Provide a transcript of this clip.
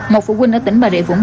một phụ huynh ở tỉnh bà rịa vũng